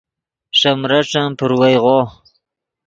ݰے مریݯن پروئیغو